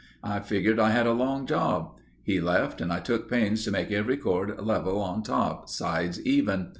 I figured I had a long job. He left and I took pains to make every cord level on top, sides even.